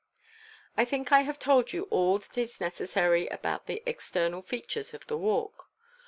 I think I have told you all that is necessary about the external features of the Walk.